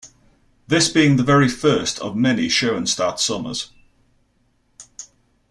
This being the first of many Schoenstatt Summers.